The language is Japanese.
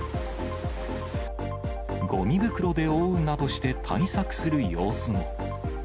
ごみ袋で覆うなどして対策する様子も。